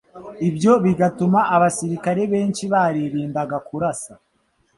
ibyo bigatuma abasirikare benshi baririndaga kurasa.